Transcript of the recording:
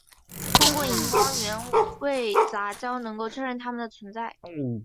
通过荧光原位杂交能够确认它们的存在。